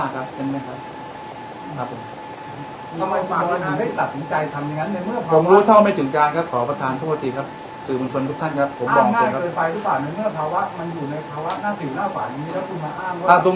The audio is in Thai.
ก็จะต้องแต่ไร้จุดแล้วก็จะให้เขาค้าขายกันครับ